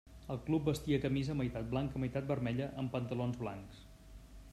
El club vestia camisa meitat blanca meitat vermella amb pantalons blancs.